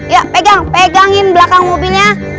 ya pegang pegangin belakang mobilnya